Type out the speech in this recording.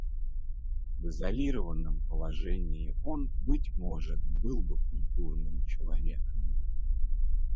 В изолированном положении он, быть может, был бы культурным человеком.